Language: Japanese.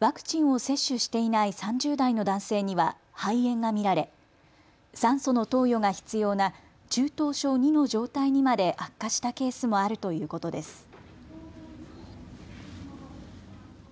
ワクチンを接種していない３０代の男性には肺炎が見られ酸素の投与が必要な中等症２の状態にまで悪化したケースもあるということです。